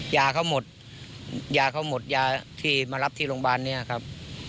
ยาเขาหมดยาเขาหมดยาที่มารับที่โรงพยาบาลนี้ครับ